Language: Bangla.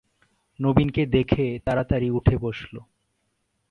নবীনকে দেখে তাড়াতাড়ি উঠে বসল।